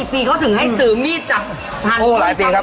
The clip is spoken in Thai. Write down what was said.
๓ปี๓ปีเลยครับ